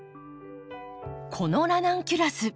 このラナンキュラス